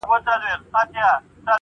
چي یې قبر د بابا ورته پېغور سو-